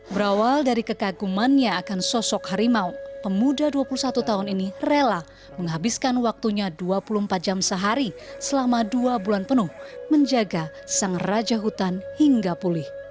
berawal dari kekagumannya akan sosok harimau pemuda dua puluh satu tahun ini rela menghabiskan waktunya dua puluh empat jam sehari selama dua bulan penuh menjaga sang raja hutan hingga pulih